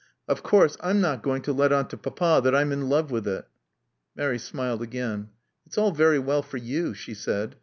Of course I'm not going to let on to Papa that I'm in love with it." Mary smiled again. "It's all very well for you," she said.